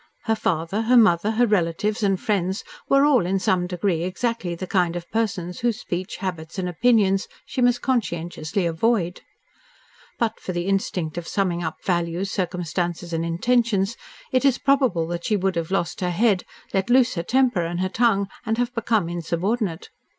Her father, her mother, her relatives, and friends were all in some degree exactly the kind of persons whose speech, habits, and opinions she must conscientiously avoid. But for the instinct of summing up values, circumstances, and intentions, it is probable that she would have lost her head, let loose her temper and her tongue, and have become insubordinate.